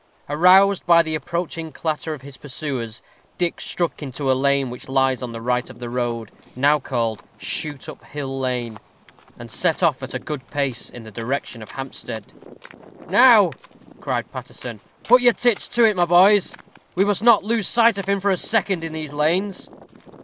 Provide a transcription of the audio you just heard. Aroused by the approaching clatter of his pursuers, Dick struck into a lane which lies on the right of the road, now called Shoot up hill Lane, and set off at a good pace in the direction of Hampstead. "Now," cried Paterson, "put your tits to it, my boys. We must not lose sight of him for a second in these lanes."